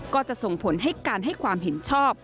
ก็จะส่งผลให้การให้ความเห็นชอบ